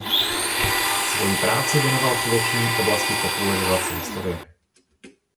Svoji práci věnoval především oblasti popularizace historie.